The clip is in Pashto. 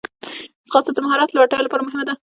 ځغاسته د مهارت لوړتیا لپاره مهمه ده